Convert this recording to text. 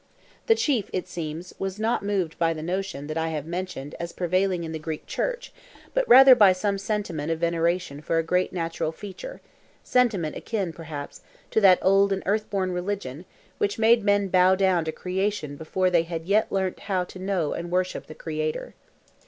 The chief, it seems, was not moved by the notion I have mentioned as prevailing in the Greek Church, but rather by some sentiment of veneration for a great natural feature—sentiment akin, perhaps, to that old and earthborn religion, which made men bow down to creation before they had yet learnt how to know and worship the Creator.